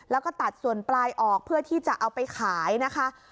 แล้วก็ตัดส่วนปลายออกเพื่อที่จะเอาไปขายนะคะ